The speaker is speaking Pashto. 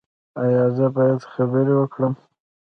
ایا زه باید خبرې وکړم؟